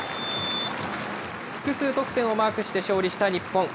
複数得点をマークして勝利した日本。